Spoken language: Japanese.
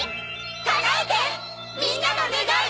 かなえてみんなの願い！